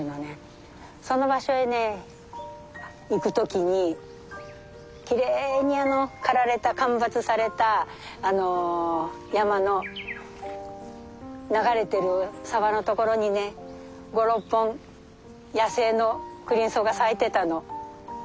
その場所へね行く時にきれいに刈られた間伐された山の流れてる沢の所にね５６本野生のクリンソウが咲いてたの。